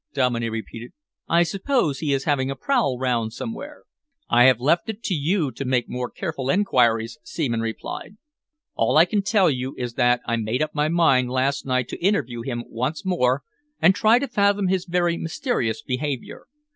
Dominey repeated. "I suppose he is having a prowl round somewhere." "I have left it to you to make more careful enquiries," Seaman replied. "All I can tell you is that I made up my mind last night to interview him once more and try to fathom his very mysterious behaviour.